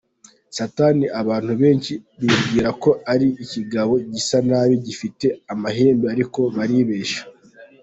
Satani abantu benshi bibwira ko ari ikigabo gisa nabi gifite amahembe ariko baribeshya.